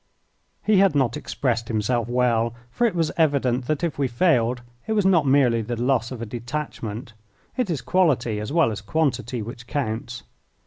He had not expressed himself well, for it was evident that if we failed it was not merely the loss of a detachment. It is quality as well as quantity which counts.